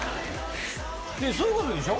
いやそういうことでしょ？